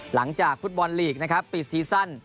หลังจากฟุตบอลลีกนะครับปิดซีซั่น